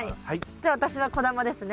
じゃあ私は小玉ですね。